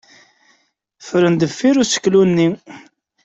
Ffren deffir useklu-nni.